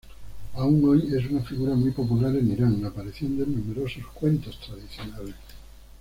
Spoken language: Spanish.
Aún hoy es una figura muy popular en Irán, apareciendo en numerosos cuentos tradicionales.